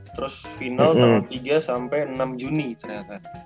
terus final tanggal tiga sampai enam juni ternyata